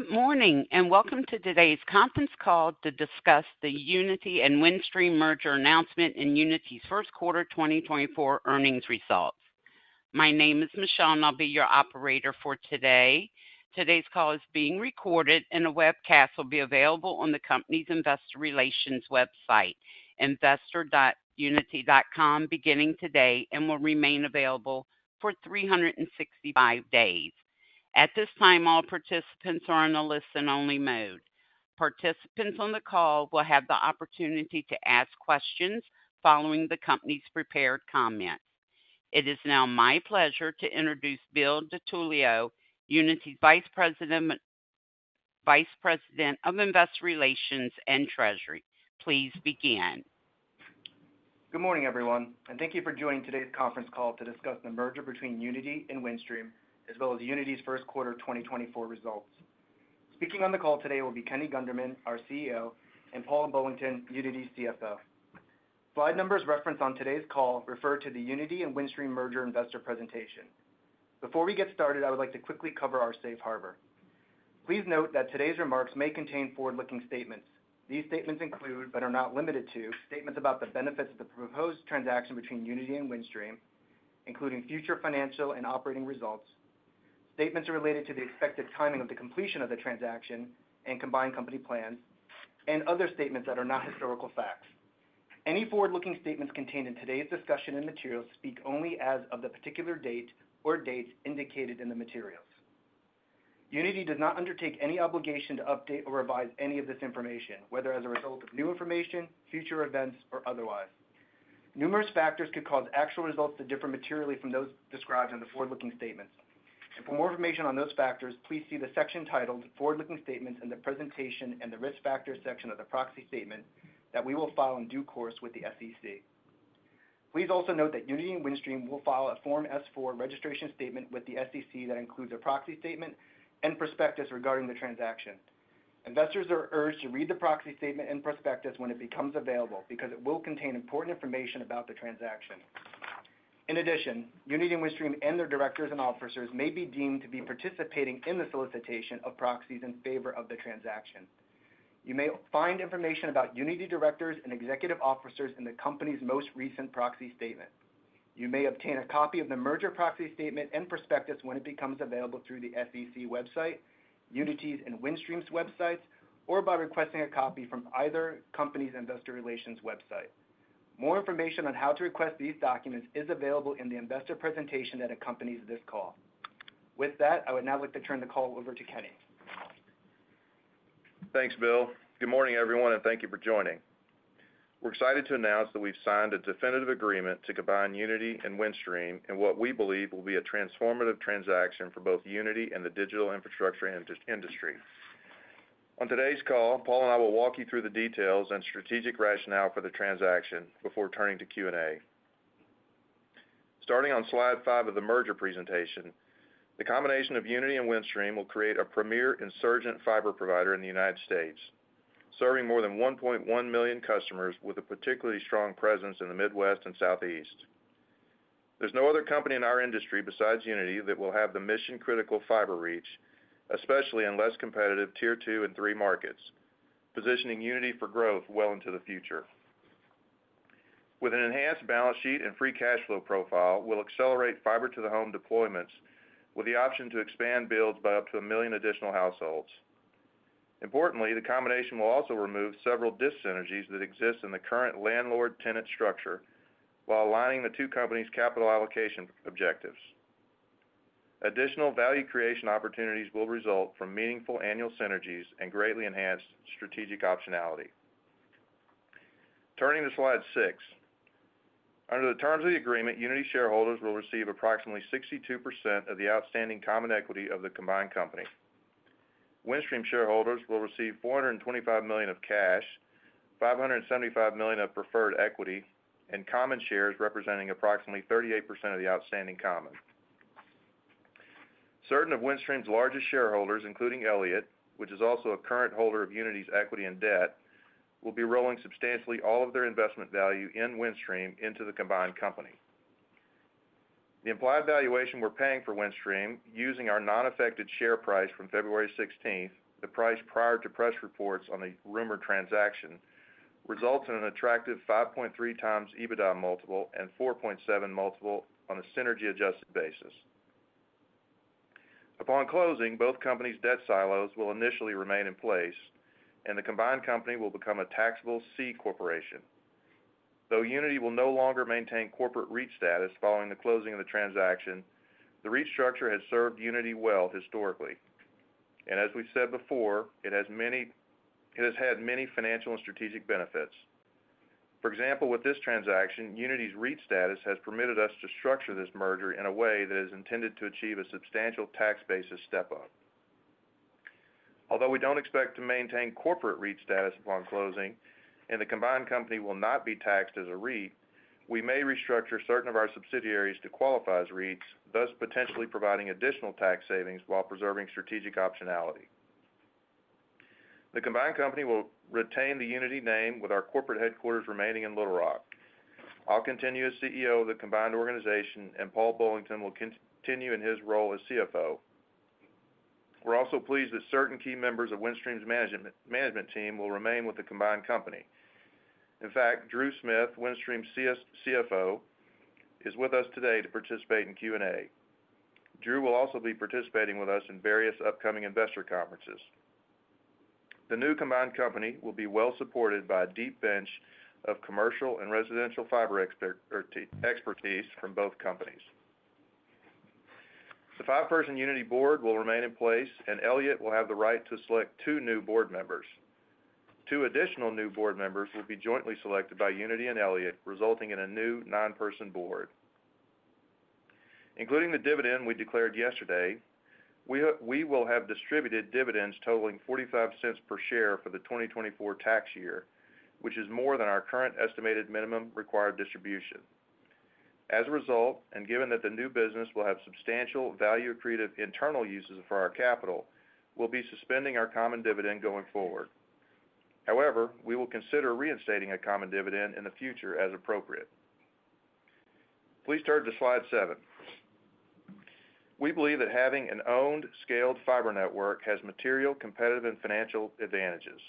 Good morning, and welcome to today's conference call to discuss the Uniti and Windstream merger announcement and Uniti's Q1 2024 earnings results. My name is Michelle, and I'll be your operator for today. Today's call is being recorded, and a webcast will be available on the company's investor relations website, investor.uniti.com, beginning today and will remain available for 365 days. At this time, all participants are in a listen-only mode. Participants on the call will have the opportunity to ask questions following the company's prepared comments. It is now my pleasure to introduce Bill DiTullio, Uniti's Vice President of Investor Relations and Treasury. Please begin. Good morning, everyone, and thank you for joining today's conference call to discuss the merger between Uniti and Windstream, as well as Uniti's Q1 2024 results. Speaking on the call today will be Kenny Gunderman, our CEO, and Paul Bullington, Uniti's CFO. Slide numbers referenced on today's call refer to the Uniti and Windstream Merger Investor Presentation. Before we get started, I would like to quickly cover our safe harbor. Please note that today's remarks may contain forward-looking statements. These statements include, but are not limited to, statements about the benefits of the proposed transaction between Uniti and Windstream, including future financial and operating results, statements related to the expected timing of the completion of the transaction and combined company plans, and other statements that are not historical facts. Any forward-looking statements contained in today's discussion and materials speak only as of the particular date or dates indicated in the materials. Uniti does not undertake any obligation to update or revise any of this information, whether as a result of new information, future events, or otherwise. Numerous factors could cause actual results to differ materially from those described in the forward-looking statements, and for more information on those factors, please see the section titled Forward-Looking Statements in the presentation and the Risk Factors section of the proxy statement that we will file in due course with the SEC. Please also note that Uniti and Windstream will file a Form S-4 registration statement with the SEC that includes a proxy statement and prospectus regarding the transaction. Investors are urged to read the proxy statement and prospectus when it becomes available, because it will contain important information about the transaction. In addition, Uniti and Windstream and their directors and officers may be deemed to be participating in the solicitation of proxies in favor of the transaction. You may find information about Uniti directors and executive officers in the company's most recent proxy statement. You may obtain a copy of the merger proxy statement and prospectus when it becomes available through the SEC website, Uniti's and Windstream's websites, or by requesting a copy from either company's investor relations website. More information on how to request these documents is available in the investor presentation that accompanies this call. With that, I would now like to turn the call over to Kenny. Thanks, Bill. Good morning, everyone, and thank you for joining. We're excited to announce that we've signed a definitive agreement to combine Uniti and Windstream in what we believe will be a transformative transaction for both Uniti and the digital infrastructure industry. On today's call, Paul and I will walk you through the details and strategic rationale for the transaction before turning to Q&A. Starting on slide five of the merger presentation, the combination of Uniti and Windstream will create a premier insurgent fiber provider in the United States, serving more than 1.1 million customers with a particularly strong presence in the Midwest and Southeast. There's no other company in our industry besides Uniti that will have the mission-critical fiber reach, especially in less competitive Tier Two and Three markets, positioning Uniti for growth well into the future. With an enhanced balance sheet and free cash flow profile, we'll accelerate fiber to the home deployments, with the option to expand builds by up to 1 million additional households. Importantly, the combination will also remove several dis-synergies that exist in the current landlord-tenant structure while aligning the two companies' capital allocation objectives. Additional value creation opportunities will result from meaningful annual synergies and greatly enhanced strategic optionality. Turning to slide six. Under the terms of the agreement, Uniti shareholders will receive approximately 62% of the outstanding common equity of the combined company. Windstream shareholders will receive $425 million of cash, $575 million of preferred equity, and common shares representing approximately 38% of the outstanding common. Certain of Windstream's largest shareholders, including Elliott, which is also a current holder of Uniti's equity and debt, will be rolling substantially all of their investment value in Windstream into the combined company. The implied valuation we're paying for Windstream, using our unaffected share price from February sixteenth, the price prior to press reports on the rumored transaction, results in an attractive 5.3x EBITDA multiple, and 4.7x multiple on a synergy-adjusted basis. Upon closing, both companies' debt silos will initially remain in place, and the combined company will become a taxable C Corporation. Though Uniti will no longer maintain corporate REIT status following the closing of the transaction, the REIT structure has served Uniti well historically, and as we've said before, it has had many financial and strategic benefits. For example, with this transaction, Uniti's REIT status has permitted us to structure this merger in a way that is intended to achieve a substantial tax basis step-up. Although we don't expect to maintain corporate REIT status upon closing, and the combined company will not be taxed as a REIT, we may restructure certain of our subsidiaries to qualify as REITs, thus potentially providing additional tax savings while preserving strategic optionality. The combined company will retain the Uniti name with our corporate headquarters remaining in Little Rock. I'll continue as CEO of the combined organization, and Paul Bullington will continue in his role as CFO. We're also pleased that certain key members of Windstream's management team will remain with the combined company. In fact, Drew Smith, Windstream's CFO, is with us today to participate in Q&A. Drew will also be participating with us in various upcoming investor conferences. The new combined company will be well supported by a deep bench of commercial and residential fiber expertise from both companies. The five-person Uniti board will remain in place, and Elliott will have the right to select two new board members. Two additional new board members will be jointly selected by Uniti and Elliott, resulting in a new nine-person board. Including the dividend we declared yesterday, we will have distributed dividends totaling $0.45 per share for the 2024 tax year, which is more than our current estimated minimum required distribution. As a result, and given that the new business will have substantial value-accretive internal uses for our capital, we'll be suspending our common dividend going forward. However, we will consider reinstating a common dividend in the future as appropriate. Please turn to Slide seven. We believe that having an owned, scaled fiber network has material competitive and financial advantages.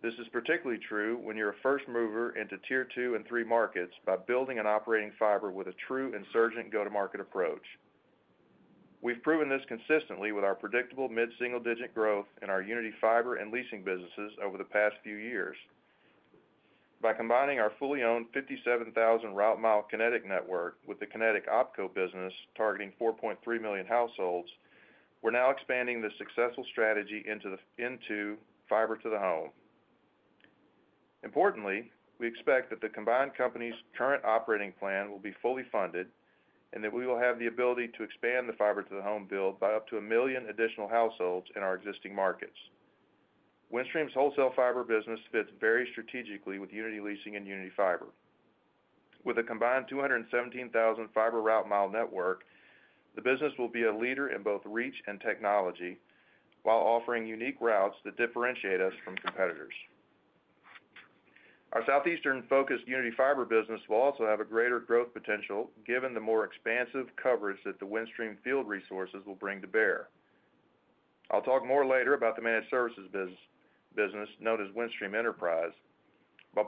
This is particularly true when you're a first mover into Tier Two and Three markets by building and operating fiber with a true insurgent go-to-market approach. We've proven this consistently with our predictable mid-single-digit growth in our Uniti Fiber and leasing businesses over the past few years. By combining our fully owned 57,000 route mile Kinetic network with the Kinetic OpCo business, targeting 4.3 million households, we're now expanding this successful strategy into fiber to the home. Importantly, we expect that the combined company's current operating plan will be fully funded and that we will have the ability to expand the fiber to the home build by up to 1 million additional households in our existing markets. Windstream's wholesale fiber business fits very strategically with Uniti Leasing and Uniti Fiber. With a combined 217,000 fiber route mile network, the business will be a leader in both reach and technology, while offering unique routes that differentiate us from competitors. Our Southeastern-focused Uniti Fiber business will also have a greater growth potential, given the more expansive coverage that the Windstream field resources will bring to bear. I'll talk more later about the managed services business, known as Windstream Enterprise. But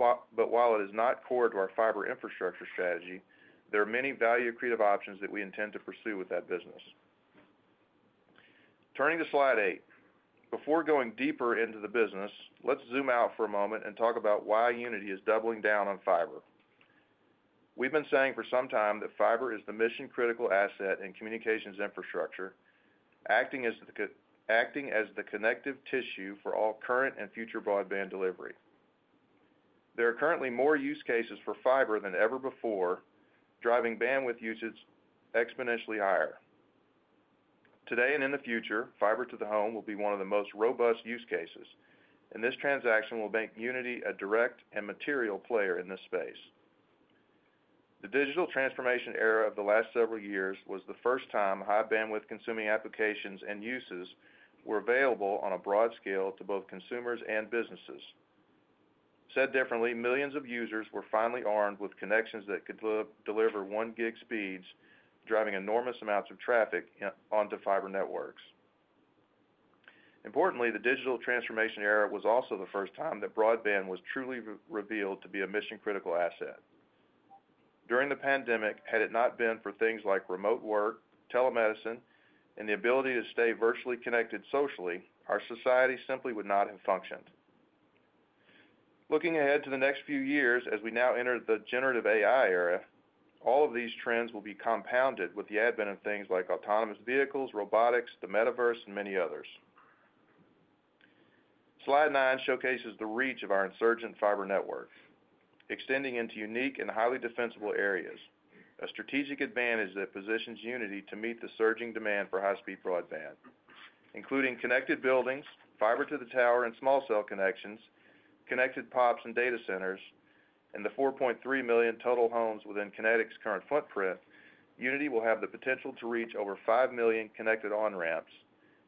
while it is not core to our fiber infrastructure strategy, there are many value-accretive options that we intend to pursue with that business. Turning to Slide eight. Before going deeper into the business, let's zoom out for a moment and talk about why Uniti is doubling down on fiber. We've been saying for some time that fiber is the mission-critical asset in communications infrastructure, acting as the connective tissue for all current and future broadband delivery. There are currently more use cases for fiber than ever before, driving bandwidth usage exponentially higher. Today and in the future, fiber to the home will be one of the most robust use cases, and this transaction will make Uniti a direct and material player in this space. The digital transformation era of the last several years was the first time high bandwidth-consuming applications and uses were available on a broad scale to both consumers and businesses. Said differently, millions of users were finally armed with connections that could deliver one gig speeds, driving enormous amounts of traffic onto fiber networks. Importantly, the digital transformation era was also the first time that broadband was truly revealed to be a mission-critical asset. During the pandemic, had it not been for things like remote work, telemedicine, and the ability to stay virtually connected socially, our society simply would not have functioned. Looking ahead to the next few years, as we now enter the generative AI era, all of these trends will be compounded with the advent of things like autonomous vehicles, robotics, the metaverse, and many others. Slide nine showcases the reach of our insurgent fiber network, extending into unique and highly defensible areas, a strategic advantage that positions Uniti to meet the surging demand for high-speed broadband. Including connected buildings, fiber to the tower, and small cell connections, connected PoPs and data centers, and the 4.3 million total homes within Kinetic's current footprint, Uniti will have the potential to reach over 5 million connected on-ramps,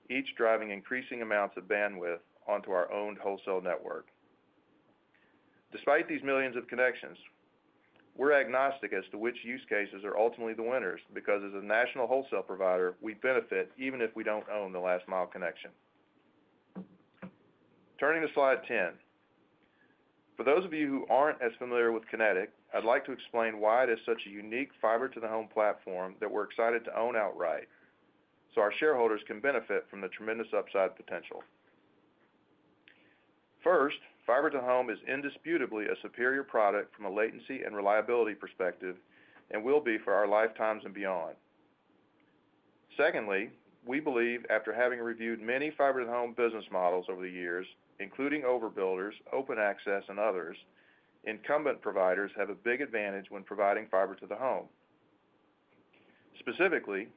each driving increasing amounts of bandwidth onto our owned wholesale network. Despite these millions of connections, we're agnostic as to which use cases are ultimately the winners, because as a national wholesale provider, we benefit even if we don't own the last mile connection. Turning to Slide ten. For those of you who aren't as familiar with Kinetic, I'd like to explain why it is such a unique fiber to the home platform that we're excited to own outright, so our shareholders can benefit from the tremendous upside potential. First, fiber to home is indisputably a superior product from a latency and reliability perspective, and will be for our lifetimes and beyond. Secondly, we believe after having reviewed many fiber to the home business models over the years, including overbuilders, open access, and others, incumbent providers have a big advantage when providing fiber to the home. Specifically,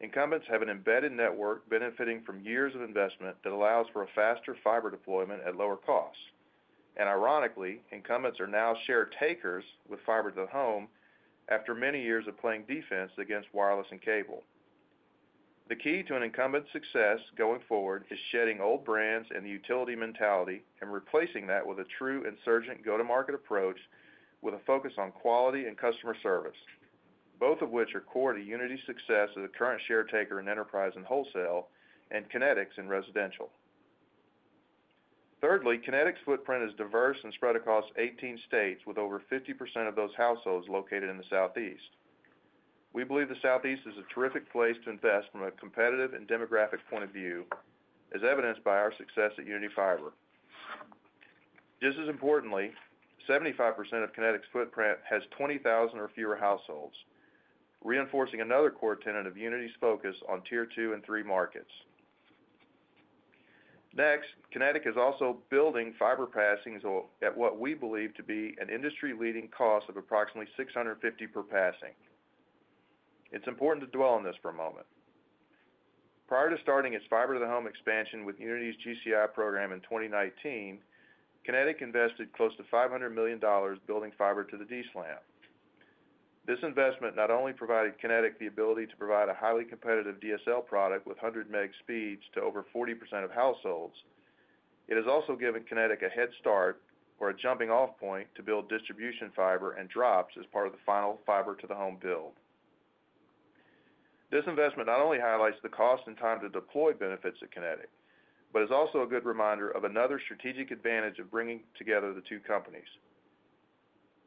incumbents have an embedded network benefiting from years of investment that allows for a faster fiber deployment at lower costs. Ironically, incumbents are now share takers with fiber to the home after many years of playing defense against wireless and cable... The key to an incumbent's success going forward is shedding old brands and the utility mentality and replacing that with a true insurgent go-to-market approach with a focus on quality and customer service, both of which are core to Uniti's success as a current share taker in enterprise and wholesale and Kinetic in residential. Thirdly, Kinetic's footprint is diverse and spread across 18 states, with over 50% of those households located in the Southeast. We believe the Southeast is a terrific place to invest from a competitive and demographic point of view, as evidenced by our success at Uniti Fiber. Just as importantly, 75% of Kinetic's footprint has 20,000 or fewer households, reinforcing another core tenet of Uniti's focus on Tier Two and Three markets. Next, Kinetic is also building fiber passings at what we believe to be an industry-leading cost of approximately $650 per passing. It's important to dwell on this for a moment. Prior to starting its fiber-to-the-home expansion with Uniti's GCI program in 2019, Kinetic invested close to $500 million building fiber to the DSLAM. This investment not only provided Kinetic the ability to provide a highly competitive DSL product with 100 meg speeds to over 40% of households, it has also given Kinetic a head start or a jumping-off point to build distribution, fiber, and drops as part of the final fiber to the home build. This investment not only highlights the cost and time to deploy benefits at Kinetic, but is also a good reminder of another strategic advantage of bringing together the two companies.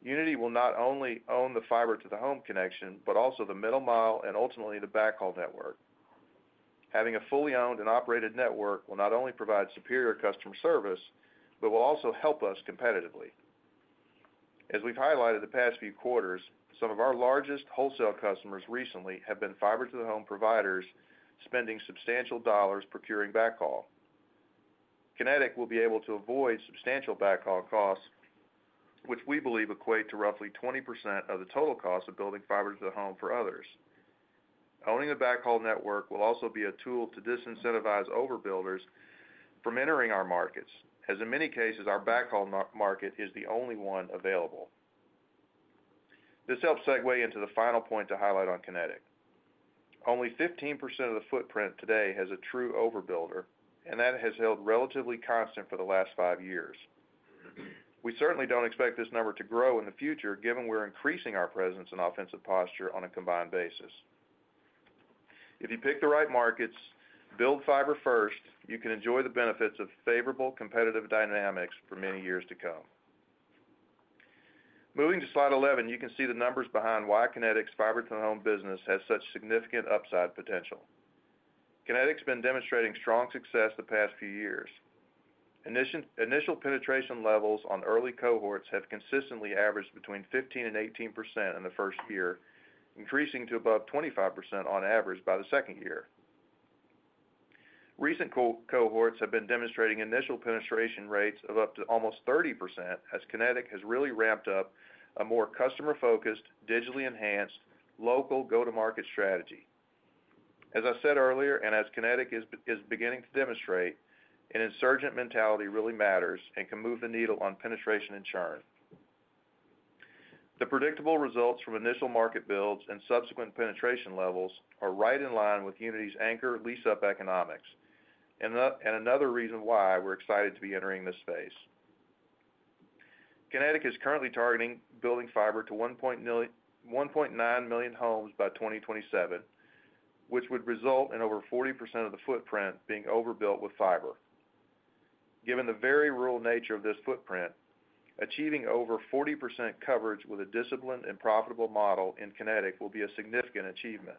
Uniti will not only own the fiber to the home connection, but also the middle mile and ultimately, the backhaul network. Having a fully owned and operated network will not only provide superior customer service, but will also help us competitively. As we've highlighted the past few quarters, some of our largest wholesale customers recently have been fiber to the home providers, spending substantial dollars procuring backhaul. Kinetic will be able to avoid substantial backhaul costs, which we believe equate to roughly 20% of the total cost of building fiber to the home for others. Owning the backhaul network will also be a tool to disincentivize overbuilders from entering our markets, as in many cases, our backhaul market is the only one available. This helps segue into the final point to highlight on Kinetic. Only 15% of the footprint today has a true overbuilder, and that has held relatively constant for the last five years. We certainly don't expect this number to grow in the future, given we're increasing our presence and offensive posture on a combined basis. If you pick the right markets, build fiber first, you can enjoy the benefits of favorable competitive dynamics for many years to come. Moving to slide 11, you can see the numbers behind why Kinetic's fiber to the home business has such significant upside potential. Kinetic's been demonstrating strong success the past few years. Initial penetration levels on early cohorts have consistently averaged between 15% and 18% in the first year, increasing to above 25% on average by the second year. Recent cohorts have been demonstrating initial penetration rates of up to almost 30%, as Kinetic has really ramped up a more customer-focused, digitally enhanced, local go-to-market strategy. As I said earlier, and as Kinetic is beginning to demonstrate, an insurgent mentality really matters and can move the needle on penetration and churn. The predictable results from initial market builds and subsequent penetration levels are right in line with Uniti's anchor lease-up economics, and another reason why we're excited to be entering this space. Kinetic is currently targeting building fiber to 1.9 million homes by 2027, which would result in over 40% of the footprint being overbuilt with fiber. Given the very rural nature of this footprint, achieving over 40% coverage with a disciplined and profitable model in Kinetic will be a significant achievement.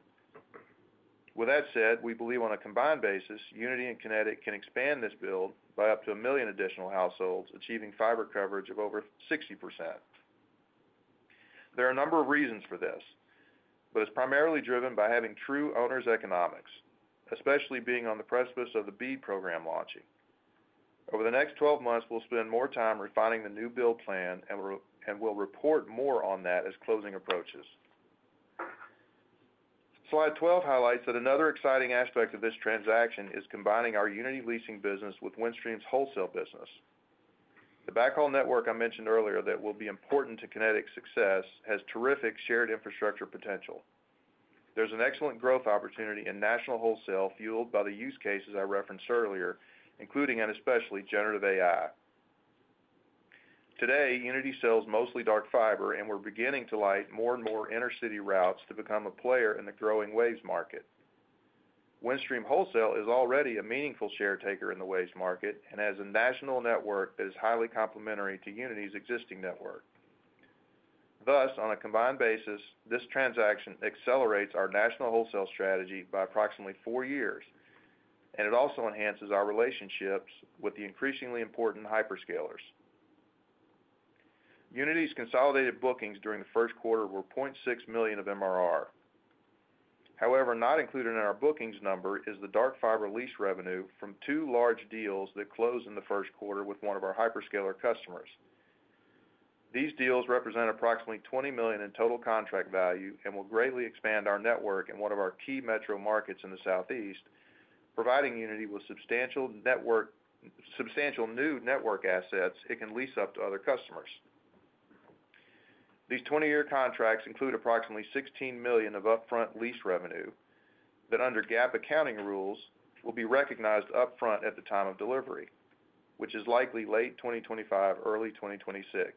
With that said, we believe on a combined basis, Uniti and Kinetic can expand this build by up to 1 million additional households, achieving fiber coverage of over 60%. There are a number of reasons for this, but it's primarily driven by having true owner's economics, especially being on the precipice of the BEAD program launching. Over the next 12 months, we'll spend more time refining the new build plan, and we'll report more on that as closing approaches. Slide 12 highlights that another exciting aspect of this transaction is combining our Uniti leasing business with Windstream's wholesale business. The backhaul network I mentioned earlier that will be important to Kinetic's success, has terrific shared infrastructure potential. There's an excellent growth opportunity in national wholesale, fueled by the use cases I referenced earlier, including, and especially, Generative AI. Today, Uniti sells mostly dark fiber, and we're beginning to light more and more inter-city routes to become a player in the growing waves market. Windstream Wholesale is already a meaningful share taker in the waves market and has a national network that is highly complementary to Uniti's existing network. Thus, on a combined basis, this transaction accelerates our national wholesale strategy by approximately four years, and it also enhances our relationships with the increasingly important hyperscalers. Uniti's consolidated bookings during the Q1 were $0.6 million of MRR. However, not included in our bookings number is the dark fiber lease revenue from two large deals that closed in the Q1 with one of our hyperscaler customers. These deals represent approximately $20 million in total contract value and will greatly expand our network in one of our key metro markets in the Southeast, providing Uniti with substantial new network assets it can lease up to other customers. These 20-year contracts include approximately $16 million of upfront lease revenue that, under GAAP accounting rules, will be recognized upfront at the time of delivery, which is likely late 2025, early 2026.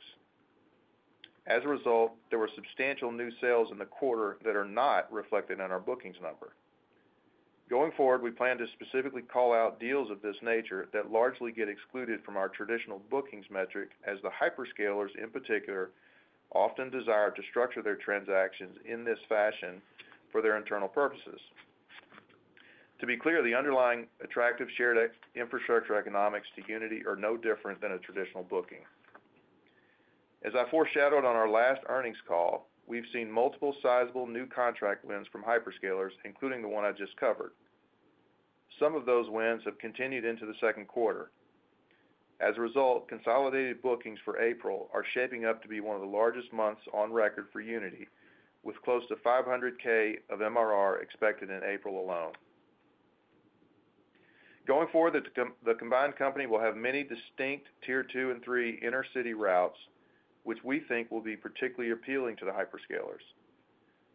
As a result, there were substantial new sales in the quarter that are not reflected in our bookings number. Going forward, we plan to specifically call out deals of this nature that largely get excluded from our traditional bookings metric, as the hyperscalers, in particular, often desire to structure their transactions in this fashion for their internal purposes. To be clear, the underlying attractive shared infrastructure economics to Uniti are no different than a traditional booking. As I foreshadowed on our last earnings call, we've seen multiple sizable new contract wins from hyperscalers, including the one I just covered. Some of those wins have continued into the Q2. As a result, consolidated bookings for April are shaping up to be one of the largest months on record for Uniti, with close to $500K of MRR expected in April alone. Going forward, the combined company will have many distinct Tier Two and Three inter-city routes, which we think will be particularly appealing to the hyperscalers.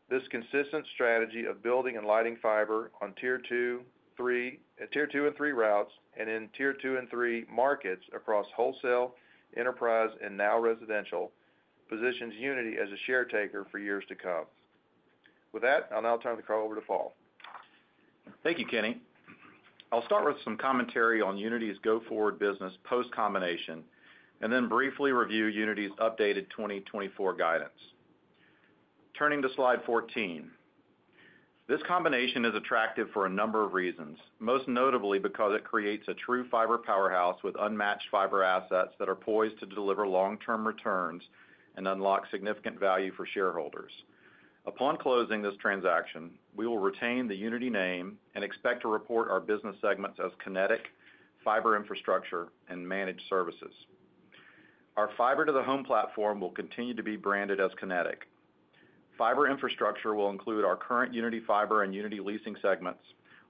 This consistent strategy of building and lighting fiber on Tier Two and Three routes, and in Tier Two and Three markets across wholesale, enterprise, and now residential, positions Uniti as a share taker for years to come. With that, I'll now turn the call over to Paul. Thank you, Kenny. I'll start with some commentary on Uniti's go-forward business post-combination, and then briefly review Uniti's updated 2024 guidance. Turning to slide 14. This combination is attractive for a number of reasons, most notably because it creates a true fiber powerhouse with unmatched fiber assets that are poised to deliver long-term returns and unlock significant value for shareholders. Upon closing this transaction, we will retain the Uniti name and expect to report our business segments as Kinetic, Fiber Infrastructure, and Managed Services. Our fiber to the home platform will continue to be branded as Kinetic. Fiber Infrastructure will include our current Uniti Fiber and Uniti Leasing segments,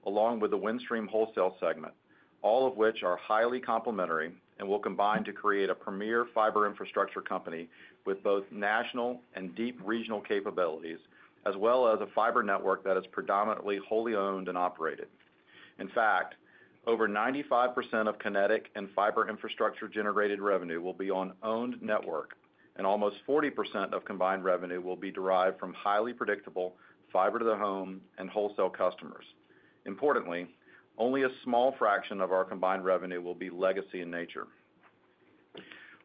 along with the Windstream Wholesale segment, all of which are highly complementary and will combine to create a premier fiber infrastructure company with both national and deep regional capabilities, as well as a fiber network that is predominantly wholly owned and operated. In fact, over 95% of Kinetic and fiber infrastructure-generated revenue will be on owned network, and almost 40% of combined revenue will be derived from highly predictable fiber to the home and wholesale customers. Importantly, only a small fraction of our combined revenue will be legacy in nature.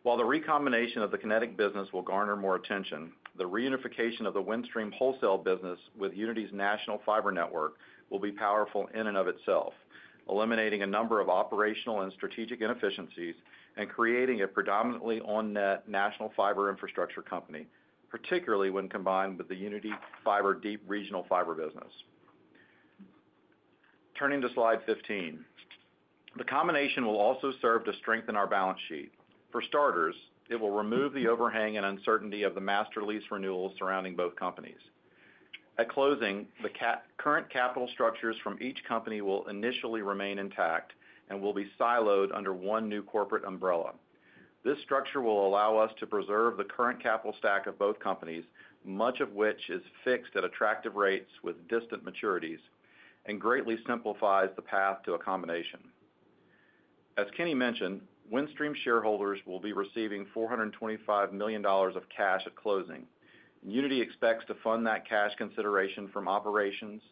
While the recombination of the Kinetic business will garner more attention, the reunification of the Windstream Wholesale business with Uniti's national fiber network will be powerful in and of itself, eliminating a number of operational and strategic inefficiencies and creating a predominantly on-net national fiber infrastructure company, particularly when combined with the Uniti Fiber deep regional fiber business. Turning to slide 15. The combination will also serve to strengthen our balance sheet. For starters, it will remove the overhang and uncertainty of the master lease renewals surrounding both companies. At closing, the current capital structures from each company will initially remain intact and will be siloed under one new corporate umbrella. This structure will allow us to preserve the current capital stack of both companies, much of which is fixed at attractive rates with distant maturities, and greatly simplifies the path to a combination. As Kenny mentioned, Windstream shareholders will be receiving $425 million of cash at closing. Uniti expects to fund that cash consideration from operations,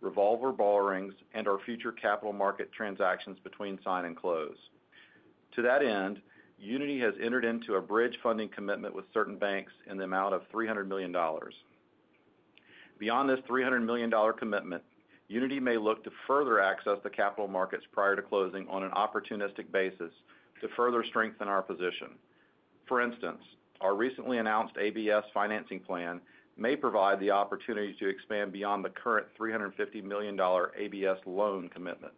revolver borrowings, and our future capital market transactions between sign and close. To that end, Uniti has entered into a bridge funding commitment with certain banks in the amount of $300 million. Beyond this $300 million commitment, Uniti may look to further access the capital markets prior to closing on an opportunistic basis to further strengthen our position. For instance, our recently announced ABS financing plan may provide the opportunity to expand beyond the current $350 million ABS loan commitment.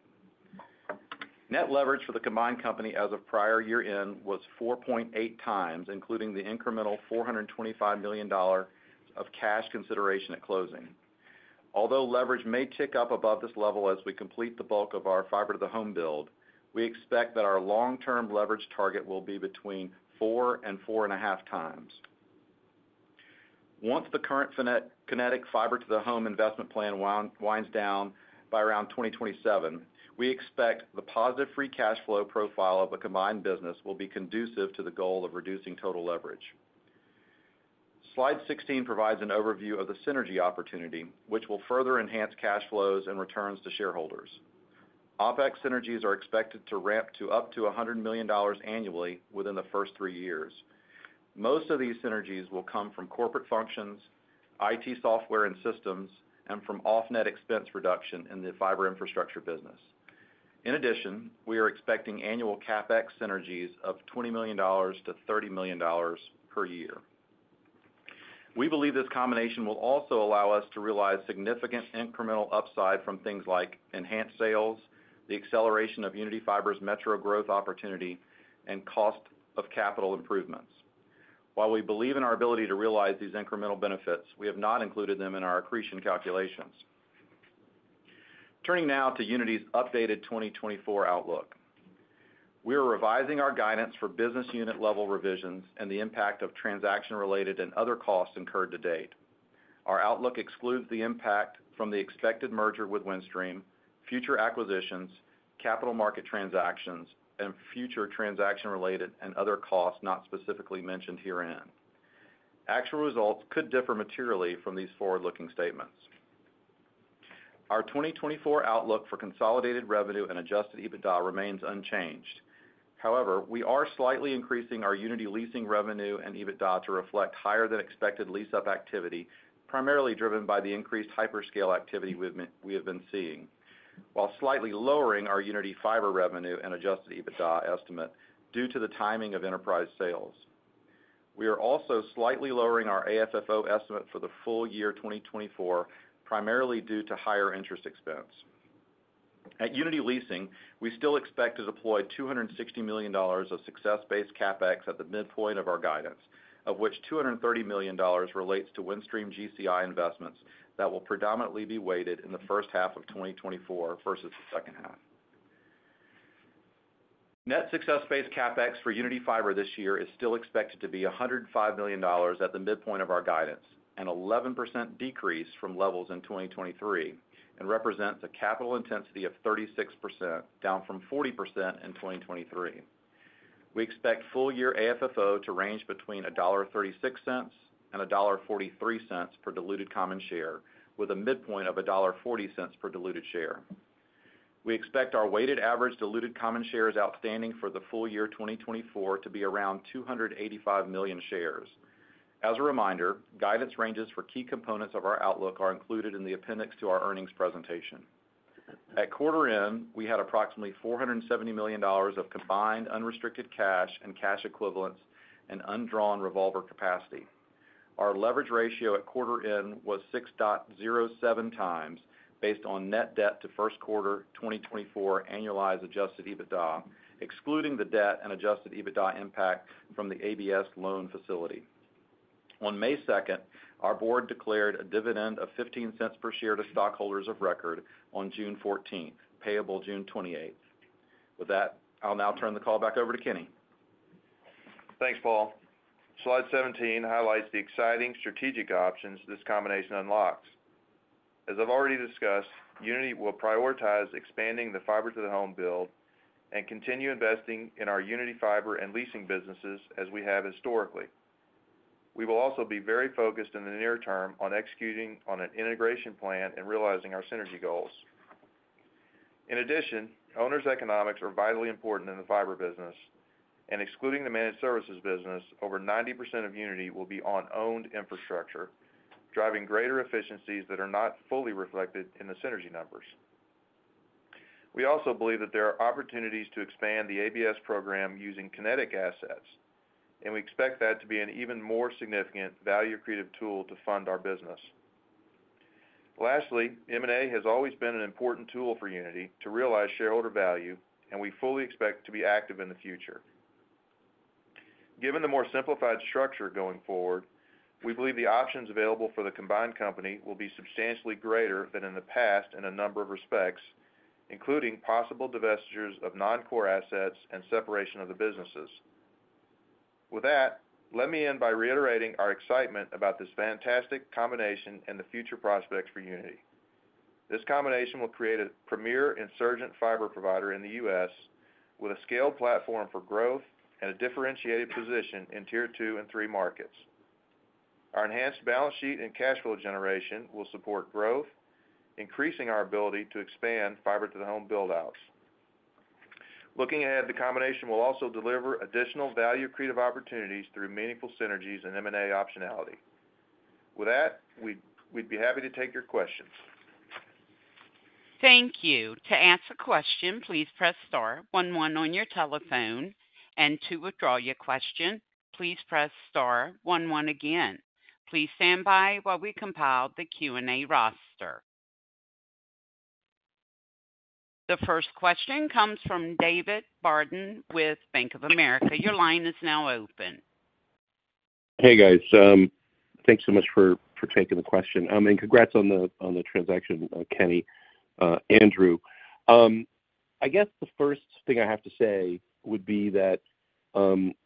Net leverage for the combined company as of prior year-end was 4.8x, including the incremental $425 million of cash consideration at closing. Although leverage may tick up above this level as we complete the bulk of our fiber to the home build, we expect that our long-term leverage target will be between 4x and 4.5x. Once the current Kinetic fiber to the home investment plan winds down by around 2027, we expect the positive free cash flow profile of the combined business will be conducive to the goal of reducing total leverage. Slide 16 provides an overview of the synergy opportunity, which will further enhance cash flows and returns to shareholders. OpEx synergies are expected to ramp to up to $100 million annually within the first three years. Most of these synergies will come from corporate functions, IT software and systems, and from off-net expense reduction in the fiber infrastructure business. In addition, we are expecting annual CapEx synergies of $20 million-$30 million per year. We believe this combination will also allow us to realize significant incremental upside from things like enhanced sales, the acceleration of Uniti Fiber's metro growth opportunity, and cost of capital improvements. While we believe in our ability to realize these incremental benefits, we have not included them in our accretion calculations.... Turning now to Uniti's updated 2024 outlook. We are revising our guidance for business unit level revisions and the impact of transaction-related and other costs incurred to date. Our outlook excludes the impact from the expected merger with Windstream, future acquisitions, capital market transactions, and future transaction-related and other costs not specifically mentioned herein. Actual results could differ materially from these forward-looking statements. Our 2024 outlook for consolidated revenue and adjusted EBITDA remains unchanged. However, we are slightly increasing our Uniti Leasing revenue and EBITDA to reflect higher than expected lease-up activity, primarily driven by the increased hyperscale activity we have been seeing, while slightly lowering our Uniti Fiber revenue and adjusted EBITDA estimate due to the timing of enterprise sales. We are also slightly lowering our AFFO estimate for the full year 2024, primarily due to higher interest expense. At Uniti Leasing, we still expect to deploy $260 million of success-based CapEx at the midpoint of our guidance, of which $230 million relates to Windstream GCI investments that will predominantly be weighted in the H1 of 2024 versus the H2. Net success-based CapEx for Uniti Fiber this year is still expected to be $105 million at the midpoint of our guidance, an 11% decrease from levels in 2023, and represents a capital intensity of 36%, down from 40% in 2023. We expect full year AFFO to range between $1.36 and $1.43 per diluted common share, with a midpoint of $1.40 per diluted share. We expect our weighted average diluted common shares outstanding for the full year 2024 to be around 285 million shares. As a reminder, guidance ranges for key components of our outlook are included in the appendix to our earnings presentation. At quarter end, we had approximately $470 million of combined unrestricted cash and cash equivalents and undrawn revolver capacity. Our leverage ratio at quarter end was 6.07x, based on net debt to Q1 2024 annualized adjusted EBITDA, excluding the debt and adjusted EBITDA impact from the ABS loan facility. On May 2nd, our board declared a dividend of $0.15 per share to stockholders of record on June 14th, payable June 28th. With that, I'll now turn the call back over to Kenny. Thanks, Paul. Slide 17 highlights the exciting strategic options this combination unlocks. As I've already discussed, Uniti will prioritize expanding the fiber to the home build and continue investing in our Uniti Fiber and leasing businesses as we have historically. We will also be very focused in the near term on executing on an integration plan and realizing our synergy goals. In addition, owners' economics are vitally important in the fiber business, and excluding the managed services business, over 90% of Uniti will be on owned infrastructure, driving greater efficiencies that are not fully reflected in the synergy numbers. We also believe that there are opportunities to expand the ABS program using kinetic assets, and we expect that to be an even more significant value-accretive tool to fund our business. Lastly, M&A has always been an important tool for Uniti to realize shareholder value, and we fully expect to be active in the future. Given the more simplified structure going forward, we believe the options available for the combined company will be substantially greater than in the past in a number of respects, including possible divestitures of non-core assets and separation of the businesses. With that, let me end by reiterating our excitement about this fantastic combination and the future prospects for Uniti. This combination will create a premier insurgent fiber provider in the U.S., with a scaled platform for growth and a differentiated position in Tier Two and Three markets. Our enhanced balance sheet and cash flow generation will support growth, increasing our ability to expand fiber to the home build-outs. Looking ahead, the combination will also deliver additional value-accretive opportunities through meaningful synergies and M&A optionality. With that, we'd be happy to take your questions. Thank you. To ask a question, please press star one one on your telephone, and to withdraw your question, please press star one one again. Please stand by while we compile the Q&A roster. The first question comes from David Barden with Bank of America. Your line is now open. Hey, guys. Thanks so much for taking the question. And congrats on the transaction, Kenny, Drew. I guess the first thing I have to say would be that, you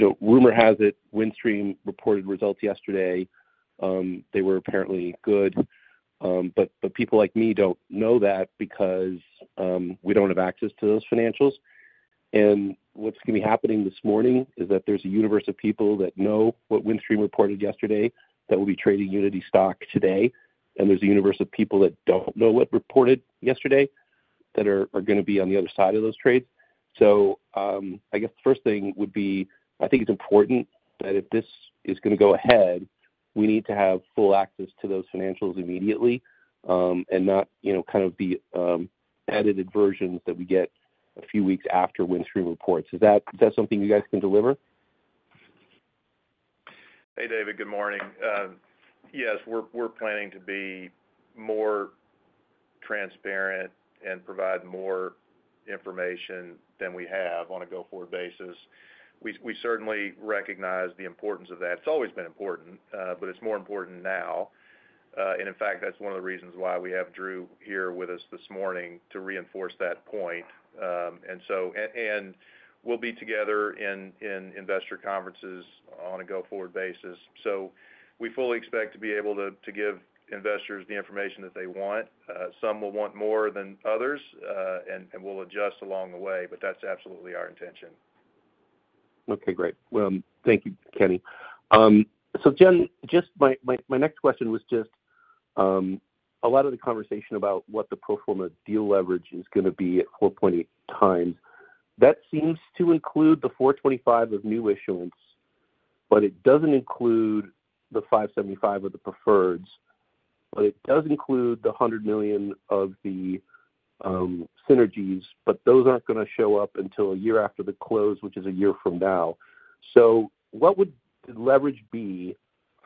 know, rumor has it Windstream reported results yesterday. They were apparently good, but people like me don't know that because we don't have access to those financials. What's going to be happening this morning is that there's a universe of people that know what Windstream reported yesterday that will be trading Uniti stock today, and there's a universe of people that don't know what reported yesterday that are going to be on the other side of those trades. So, I guess the first thing would be, I think it's important that if this is going to go ahead, we need to have full access to those financials immediately, and not, you know, kind of the, edited versions that we get a few weeks after Windstream reports. Is that, is that something you guys can deliver? Hey, David, good morning. Yes, we're planning to be more transparent and provide more information than we have on a go-forward basis. We certainly recognize the importance of that. It's always been important, but it's more important now. And in fact, that's one of the reasons why we have Drew here with us this morning to reinforce that point. And so, we'll be together in investor conferences on a go-forward basis. So we fully expect to be able to give investors the information that they want. Some will want more than others, and we'll adjust along the way, but that's absolutely our intention. Okay, great. Well, thank you, Kenny. So Jen, just my next question was just a lot of the conversation about what the pro forma deal leverage is going to be at 4.8x. That seems to include the $425 million of new issuance, but it doesn't include the $575 million of the preferreds, but it does include the $100 million of the synergies, but those aren't going to show up until a year after the close, which is a year from now. So what would the leverage be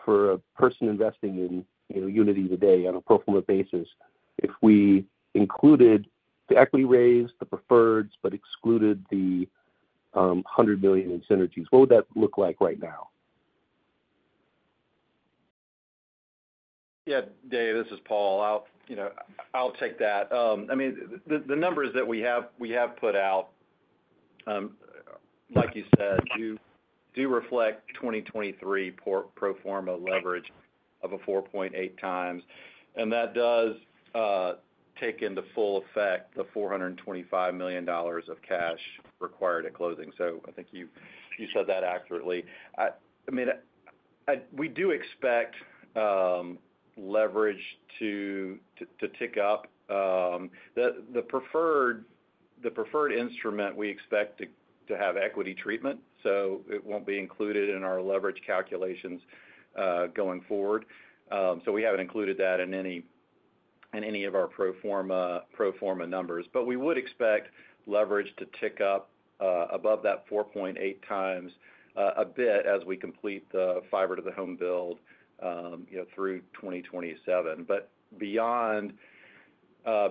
for a person investing in, you know, Uniti today on a pro forma basis if we included the equity raise, the preferreds, but excluded the $100 million in synergies? What would that look like right now? Yeah, Dave, this is Paul. I'll, you know, I'll take that. I mean, the numbers that we have, we have put out, like you said, do reflect 2023 pro forma leverage of 4.8x, and that does take into full effect the $425 million of cash required at closing. So I think you said that accurately. I mean, we do expect leverage to tick up. The preferred instrument, we expect to have equity treatment, so it won't be included in our leverage calculations going forward. So we haven't included that in any of our pro forma numbers. But we would expect leverage to tick up, above that 4.8x, a bit as we complete the fiber to the home build, you know, through 2027. But beyond,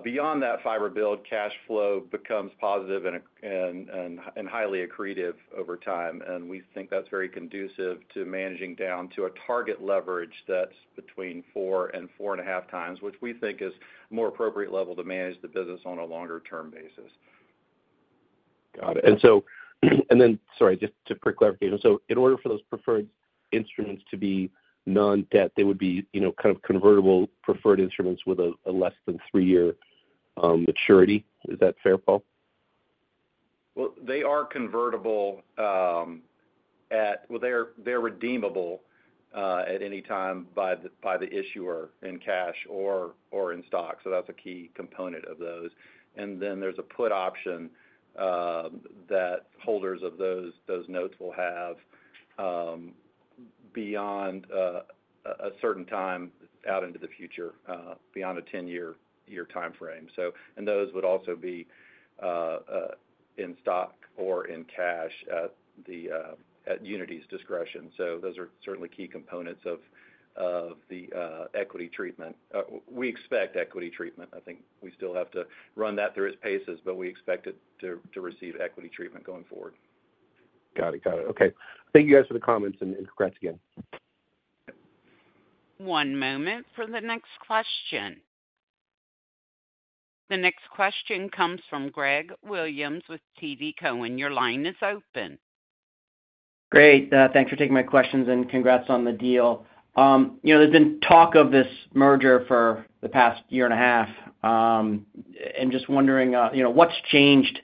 beyond that fiber build, cash flow becomes positive and highly accretive over time, and we think that's very conducive to managing down to a target leverage that's between 4x and 4.5x, which we think is more appropriate level to manage the business on a longer-term basis. Got it. Sorry, just to clarify. So in order for those preferred instruments to be non-debt, they would be, you know, kind of convertible preferred instruments with a, a less than three-year maturity. Is that fair, Paul? Well, they are convertible. Well, they're redeemable at any time by the issuer in cash or in stock, so that's a key component of those. And then there's a put option that holders of those notes will have beyond a certain time out into the future beyond a 10-year time frame. So, and those would also be in stock or in cash at Uniti's discretion. So those are certainly key components of the equity treatment. We expect equity treatment. I think we still have to run that through its paces, but we expect it to receive equity treatment going forward. Got it. Got it. Okay. Thank you guys for the comments and, and congrats again. One moment for the next question. The next question comes from Greg Williams with TD Cowen. Your line is open. Great. Thanks for taking my questions and congrats on the deal. You know, there's been talk of this merger for the past year and a half, and just wondering, you know, what's changed,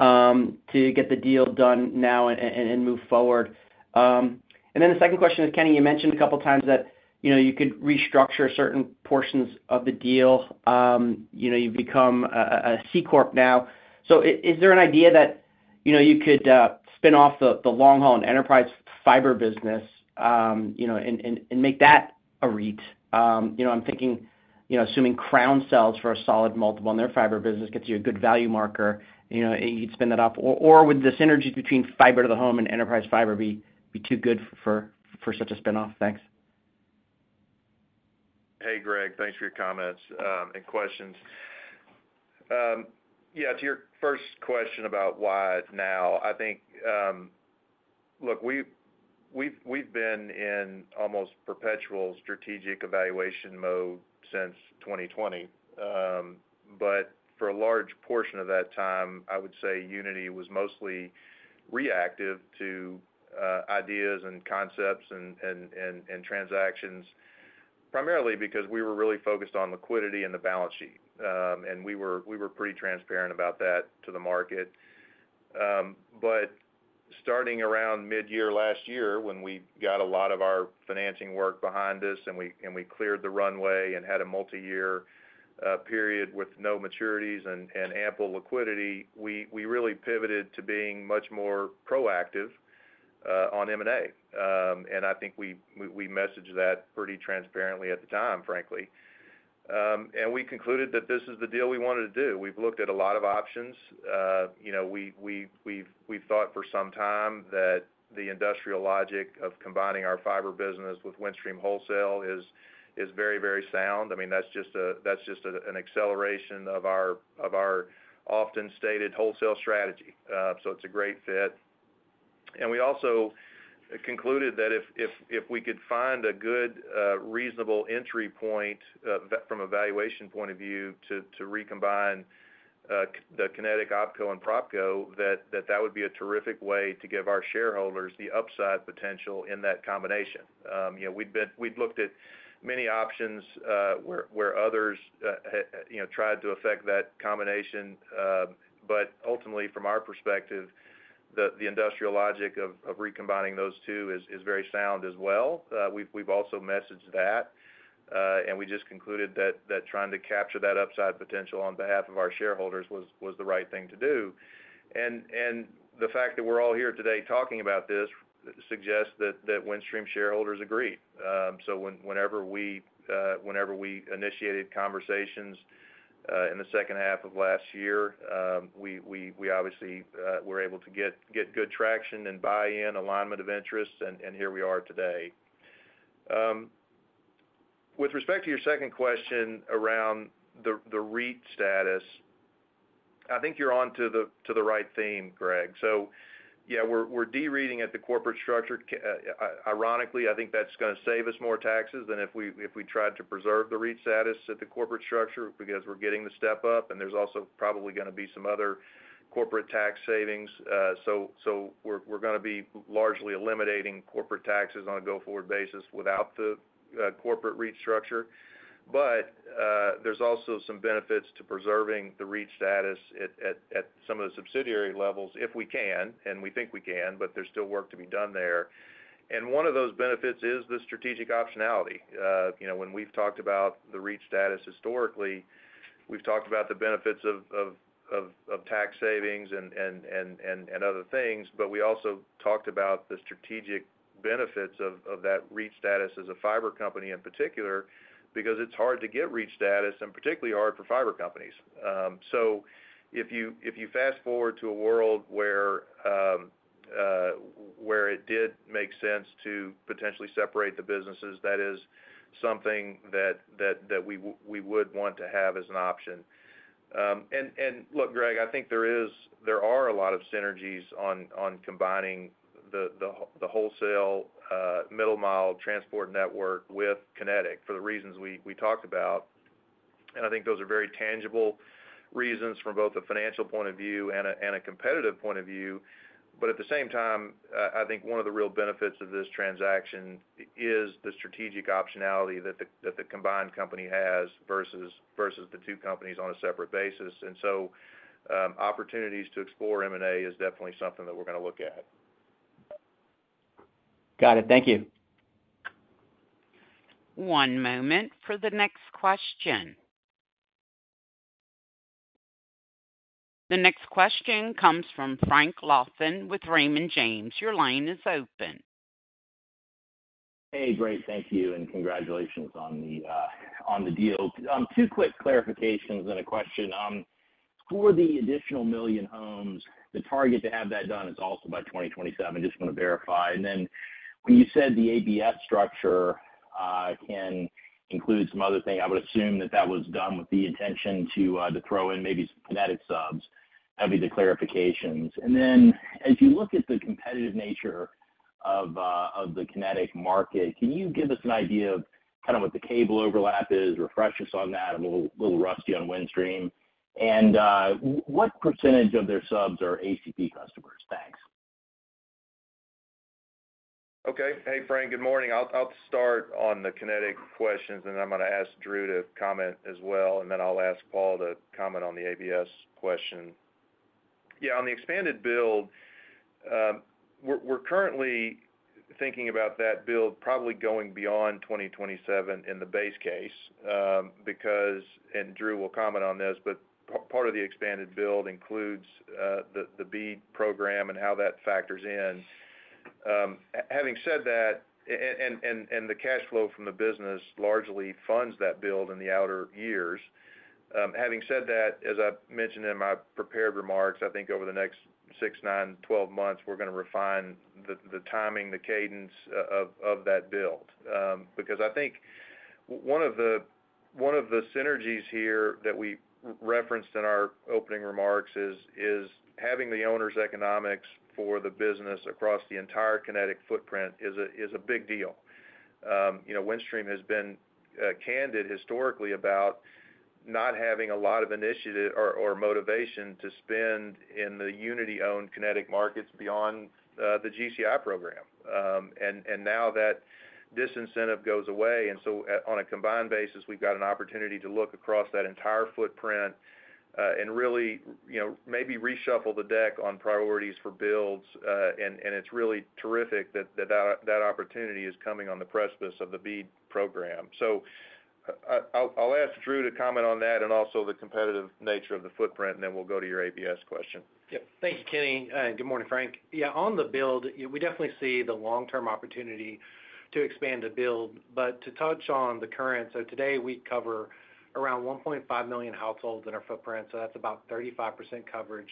to get the deal done now and, and, and move forward? And then the second question is, Kenny, you mentioned a couple of times that, you know, you could restructure certain portions of the deal. You know, you've become a C Corp now. So is there an idea that, you know, you could, spin off the, the long-haul enterprise fiber business, you know, and, and, and make that a REIT? You know, I'm thinking, you know, assuming Crown sells for a solid multiple and their fiber business gets you a good value marker, you know, you'd spin that off, or, or would the synergies between fiber to the home and enterprise fiber be, be too good for, for such a spin-off? Thanks. Hey, Greg, thanks for your comments, and questions. Yeah, to your first question about why now? I think, look, we've been in almost perpetual strategic evaluation mode since 2020. But for a large portion of that time, I would say Uniti was mostly reactive to ideas and concepts and transactions, primarily because we were really focused on liquidity and the balance sheet. And we were pretty transparent about that to the market. But starting around mid-year last year, when we got a lot of our financing work behind us, and we cleared the runway and had a multi-year period with no maturities and ample liquidity, we really pivoted to being much more proactive on M&A. And I think we messaged that pretty transparently at the time, frankly. And we concluded that this is the deal we wanted to do. We've looked at a lot of options. You know, we've thought for some time that the industrial logic of combining our fiber business with Windstream Wholesale is very, very sound. I mean, that's just an acceleration of our often stated wholesale strategy. So it's a great fit... and we also concluded that if we could find a good reasonable entry point from a valuation point of view, to recombine the Kinetic OpCo and PropCo, that would be a terrific way to give our shareholders the upside potential in that combination. You know, we've been. We've looked at many options, where others, you know, tried to affect that combination. But ultimately, from our perspective, the industrial logic of recombining those two is very sound as well. We've also messaged that, and we just concluded that trying to capture that upside potential on behalf of our shareholders was the right thing to do. And the fact that we're all here today talking about this suggests that Windstream shareholders agree. So whenever we initiated conversations in the H2 of last year, we obviously were able to get good traction and buy-in, alignment of interests, and here we are today. With respect to your second question around the REIT status, I think you're onto to the right theme, Greg. So yeah, we're de-REITing at the corporate structure. Ironically, I think that's gonna save us more taxes than if we tried to preserve the REIT status at the corporate structure, because we're getting the step up, and there's also probably gonna be some other corporate tax savings. So we're gonna be largely eliminating corporate taxes on a go-forward basis without the corporate REIT structure. But there's also some benefits to preserving the REIT status at some of the subsidiary levels, if we can, and we think we can, but there's still work to be done there. And one of those benefits is the strategic optionality. You know, when we've talked about the REIT status historically, we've talked about the benefits of tax savings and other things, but we also talked about the strategic benefits of that REIT status as a fiber company in particular, because it's hard to get REIT status, and particularly hard for fiber companies. So if you fast forward to a world where it did make sense to potentially separate the businesses, that is something that we would want to have as an option. And look, Greg, I think there are a lot of synergies on combining the wholesale middle mile transport network with Kinetic for the reasons we talked about. And I think those are very tangible reasons from both a financial point of view and a, and a competitive point of view. But at the same time, I think one of the real benefits of this transaction is the strategic optionality that the, that the combined company has versus, versus the two companies on a separate basis. And so, opportunities to explore M&A is definitely something that we're gonna look at. Got it. Thank you. One moment for the next question. The next question comes from Frank Louthan with Raymond James. Your line is open. Hey, great. Thank you, and congratulations on the deal. Two quick clarifications and a question. For the additional 1 million homes, the target to have that done is also by 2027, just wanna verify. And then when you said the ABS structure can include some other things, I would assume that that was done with the intention to throw in maybe some Kinetic subs. That'd be the clarifications. And then, as you look at the competitive nature of the Kinetic market, can you give us an idea of kind of what the cable overlap is? Refresh us on that. I'm a little rusty on Windstream. And what percentage of their subs are ACP customers? Thanks. Okay. Hey, Frank, good morning. I'll start on the Kinetic questions, and then I'm gonna ask Drew to comment as well, and then I'll ask Paul to comment on the ABS question. Yeah, on the expanded build, we're currently thinking about that build probably going beyond 2027 in the base case, because, and Drew will comment on this, but part of the expanded build includes the BEAD program and how that factors in. Having said that, and the cash flow from the business largely funds that build in the outer years. Having said that, as I've mentioned in my prepared remarks, I think over the next 6, 9, 12 months, we're gonna refine the timing, the cadence of that build. Because I think one of the synergies here that we referenced in our opening remarks is having the owner's economics for the business across the entire Kinetic footprint is a big deal. You know, Windstream has been candid historically about not having a lot of initiative or motivation to spend in the Uniti-owned Kinetic markets beyond the GCI program. And now that this incentive goes away, and so, on a combined basis, we've got an opportunity to look across that entire footprint and really, you know, maybe reshuffle the deck on priorities for builds. And it's really terrific that that opportunity is coming on the precipice of the BEAD program. I'll ask Drew to comment on that and also the competitive nature of the footprint, and then we'll go to your ABS question. Yep. Thank you, Kenny. Good morning, Frank. Yeah, on the build, we definitely see the long-term opportunity to expand the build. But to touch on the current, so today we cover around 1.5 million households in our footprint, so that's about 35% coverage